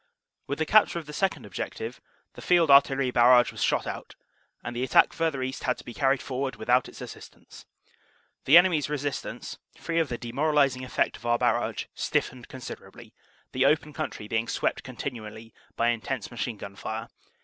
With the capture of the second objective the Field Artillery barrage was shot out, and the attack further east had OPERATIONS: SEPT. 1 3 157 to be carried forward without its assistance. The enemy s resistance, free of the demoralizing effect of our barrage, stif fened considerably, the open country being swept continually by intense machine gun fire.